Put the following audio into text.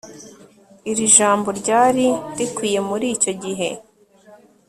Iri jambo ryari rikwiye muricyo gihe